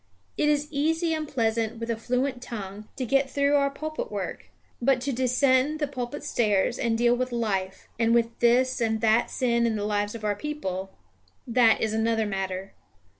It is easy and pleasant with a fluent tongue to get through our pulpit work; but to descend the pulpit stairs and deal with life, and with this and that sin in the lives of our people, that is another matter.